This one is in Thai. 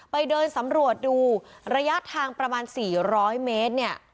ไปเดินสำรวจดูระยะทางประมาณสี่ร้อยเมตรเนี่ย